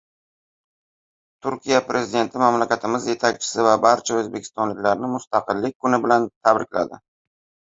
Turkiya Prezidenti mamlakatimiz yetakchisi va barcha o‘zbekistonliklarni Mustaqillik kuni bilan tabrikladi